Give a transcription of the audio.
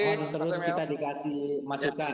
mohon terus kita dikasih masukan